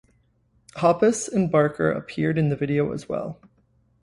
Hoppus and Barker appear in the video as well.